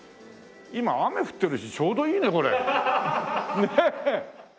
今雨降ってるしちょうどいいねえこれ。ねえ？